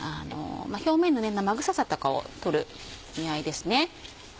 表面の生臭さとかを取る意味合いですね。